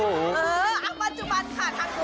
เออเอามาจุบันค่ะทางกลุ่มนะคะ